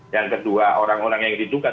yang kedua orang orang yang diduga